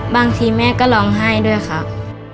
บางทีแม่ก็ร้องไห้ด้วยครับ